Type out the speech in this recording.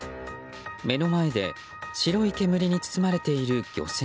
目の前で白い煙に包まれている漁船。